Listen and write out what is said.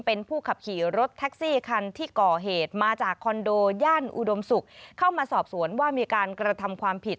เป็นผู้ขับขี่รถแท็กซี่คันที่ก่อเหตุมาจากคอนโดย่านอุดมศุกร์เข้ามาสอบสวนว่ามีการกระทำความผิด